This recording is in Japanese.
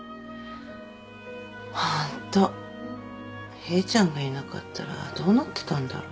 本当ヘイちゃんがいなかったらどうなってたんだろう？